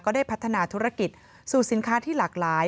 ได้พัฒนาธุรกิจสู่สินค้าที่หลากหลาย